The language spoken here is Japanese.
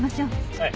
はい。